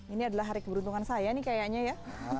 ini adalah hari keberuntungan saya nih kayaknya ya